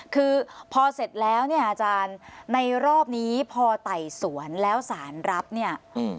คือพอเสร็จแล้วเนี่ยอาจารย์ในรอบนี้พอไต่สวนแล้วสารรับเนี่ย